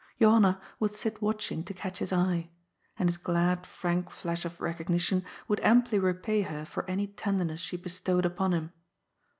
Johanna would sit watching to catch his eye ; and his glad, frank fiash of recognition would amply repay her for any tender ness she bestowed upon him.